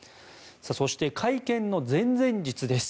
そして、会見の前々日です。